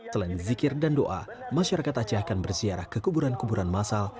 selain zikir dan doa masyarakat aceh akan bersiarah ke kuburan kuburan masal